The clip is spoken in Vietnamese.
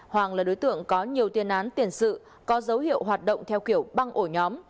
hoàng là đối tượng có nhiều tiền án tiền sự có dấu hiệu hoạt động theo kiểu băng ổ nhóm